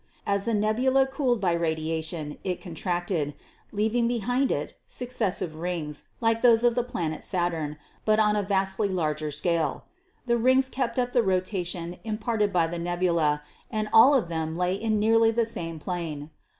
As the nebula cooled by radiation, it contracted, leaving behind it suc cessive rings, like those of the planet Saturn, but on a vastly larger scale. The rings kept up the rotation im parted by the nebula and all of them lay in nearly the same plane.